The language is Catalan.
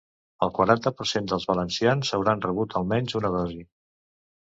El quaranta per cent dels valencians hauran rebut almenys una dosi.